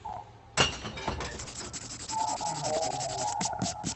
এখন আপনার হাতে অপশন দুটি কিছুই না করে বসে থাকতে পারেন।